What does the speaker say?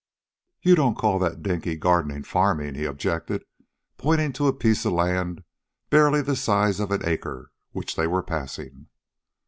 "You don't call that dinky gardening farming," he objected, pointing to a piece of land barely the size of an acre, which they were passing.